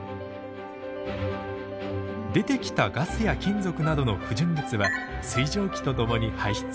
出てきたガスや金属などの不純物は水蒸気とともに排出。